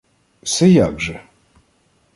— Се як же?